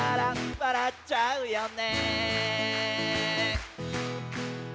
「笑っちゃうよね」